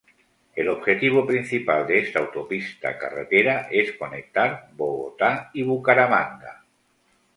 El objetivo principal de esta autopista-carretera es conectar Bogotá y Bucaramanga.